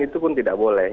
itu pun tidak boleh